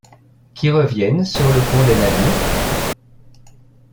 qui reviennent sur le pont des navires ?